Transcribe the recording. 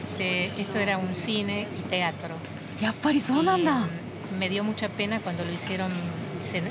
やっぱりそうなんだ！